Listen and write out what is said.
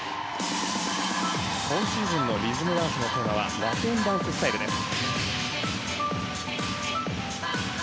今シーズンのリズムダンスのテーマはラテンダンススタイルです。